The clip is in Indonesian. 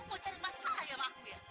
kamu cari masalah ya sama aku ya